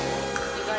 意外。